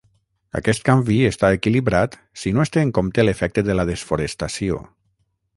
Aquest canvi està equilibrat si no es té en compte l'efecte de la desforestació.